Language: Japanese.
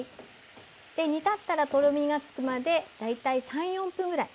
煮立ったらとろみがつくまで大体３４分ぐらい。